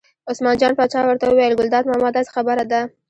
عثمان جان پاچا ورته وویل: ګلداد ماما داسې خبره ده.